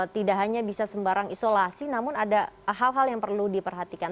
tidak hanya bisa sembarang isolasi namun ada hal hal yang perlu diperhatikan